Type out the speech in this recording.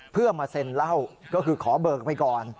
เพื่อมาเซ็นเหล้าก็คือขอเบิกไปก่อน